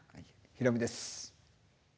ヒロミです。